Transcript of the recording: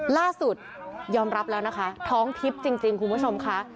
ล่าสุดยอมรับแล้วนะคะท้องทิพย์จริงคุณผู้ชมค่ะ